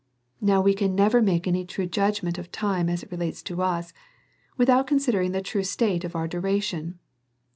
Now, we can never make any true judgment of time as it relates to us, without considering the true state of our duration.